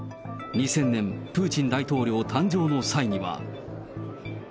２０００年、プーチン大統領誕生の際には。